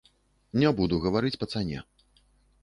Не буду гаварыць па цане.